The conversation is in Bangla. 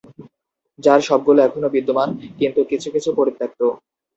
যার সবগুলো এখনো বিদ্যমান, কিন্তু কিছু কিছু পরিত্যক্ত।